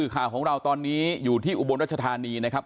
ข่าวของเราตอนนี้อยู่ที่อุบลรัชธานีนะครับ